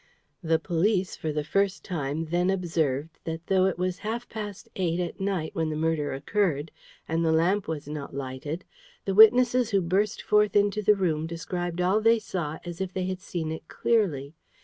The police for the first time then observed that though it was half past eight at night when the murder occurred, and the lamp was not lighted, the witnesses who burst first into the room described all they saw as if they had seen it clearly.